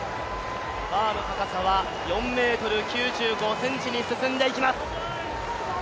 バーの高さは４ｍ９５ｃｍに進んでいきます。